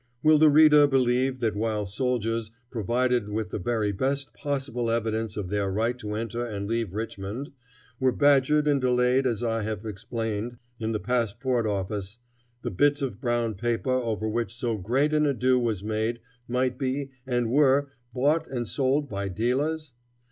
Will the reader believe that while soldiers, provided with the very best possible evidence of their right to enter and leave Richmond, were badgered and delayed as I have explained, in the passport office, the bits of brown paper over which so great an ado was made might be, and were, bought and sold by dealers?